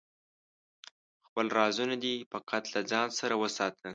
خپل رازونه دی فقط له ځانه سره وساته